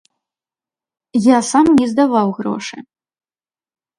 Я сам не здаваў грошы.